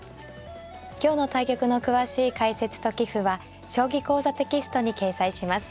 今日の対局の詳しい解説と棋譜は「将棋講座」テキストに掲載します。